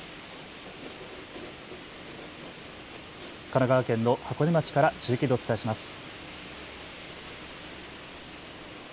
神奈川県の箱根町から中継でお伝えします。